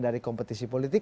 dari kompetisi politik